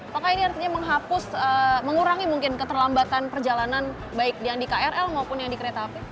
apakah ini artinya menghapus mengurangi mungkin keterlambatan perjalanan baik yang di krl maupun yang di kereta api